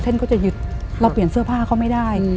ก็จะหยุดเราเปลี่ยนเสื้อผ้าเขาไม่ได้